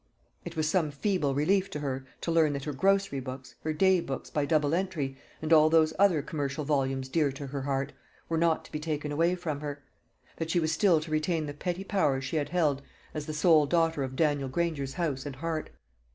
It was some feeble relief to her to learn that her grocery books, her day books by double entry, and all those other commercial volumes dear to her heart, were not to be taken away from her; that she was still to retain the petty powers she had held as the sole daughter of Daniel Granger's house and heart.